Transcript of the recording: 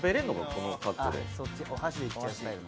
この格好で。